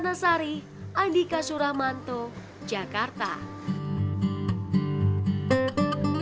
untuk beras coklat lebih nikmat dikosongkan